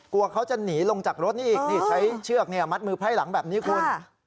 กลัวเขาจะหนีลงจากรถนี่อีกนี่ใช้เชือกมัดมือไพร่หลังแบบนี้คุณ